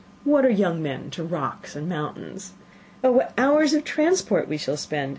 What are men to rocks and mountains? Oh, what hours of transport we shall spend!